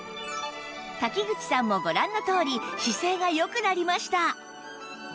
瀧口さんもご覧のとおり姿勢が良くなりました